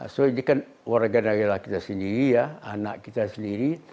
soalnya ini kan warganegara kita sendiri anak kita sendiri